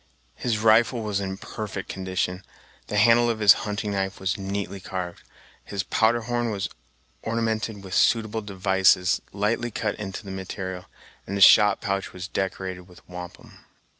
His rifle was in perfect condition, the handle of his hunting knife was neatly carved, his powder horn was ornamented with suitable devices lightly cut into the material, and his shot pouch was decorated with wampum.